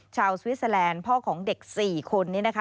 สวิสเตอร์แลนด์พ่อของเด็ก๔คนนี้นะคะ